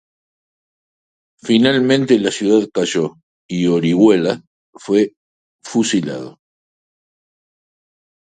Finalmente la ciudad cayó y Orihuela fue fusilado.